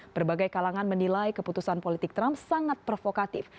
berbagai kalangan menilai keputusan politik trump sangat provokatif